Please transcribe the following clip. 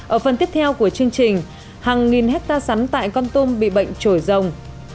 ở phần tiếp theo của chương trình hàng nghìn hecta sắn tại con tôm bị bệnh trổi rồng